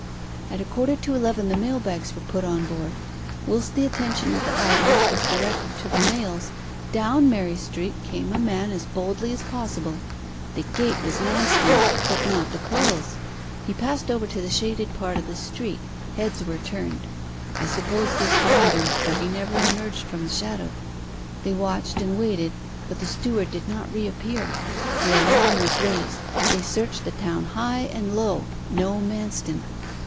At a quarter to eleven the mail bags were put on board. Whilst the attention of the idlers was directed to the mails, down Mary Street came a man as boldly as possible. The gait was Manston's, but not the clothes. He passed over to the shaded part of the street: heads were turned. I suppose this warned him, for he never emerged from the shadow. They watched and waited, but the steward did not reappear. The alarm was raised they searched the town high and low no Manston.